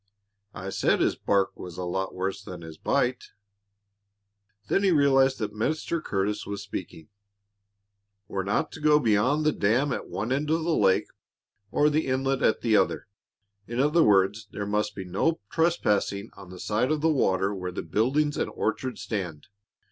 "I said his bark was a lot worse than his bite." Then he realized that Mr. Curtis was speaking. "We're not to go beyond the dam at one end of the lake or the inlet at the other. In other words, there must be no trespassing on the side of the water where the buildings and orchard stand.